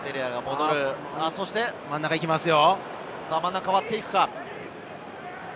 真ん中いきますよ。